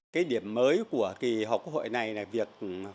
cái điểm mới của kỳ họp quốc hội này là việc